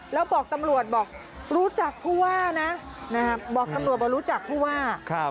แล้วบอกตำรวจบอกรู้จักผู้ว่านะบอกตำรวจว่ารู้จักผู้ว่า